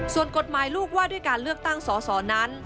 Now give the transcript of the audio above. ส่วนกฎหมายลูกว่าด้วยการเลือกตั้งสอสอนั้น